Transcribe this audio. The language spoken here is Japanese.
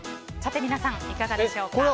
さて皆さん、いかがでしょうか。